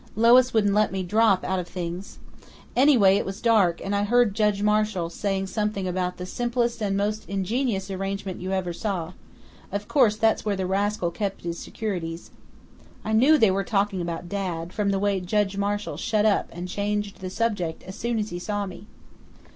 Lois wouldn't let me drop out of things.... Anyway, it was dark and I heard Judge Marshall saying something about 'the simplest and most ingenious arrangement you ever saw. Of course that's where the rascal kept his securities ...' I knew they were talking about Dad, from the way Judge Marshall shut up and changed the subject as soon as he saw me."